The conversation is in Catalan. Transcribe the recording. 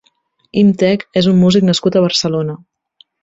Imtech és un músic nascut a Barcelona.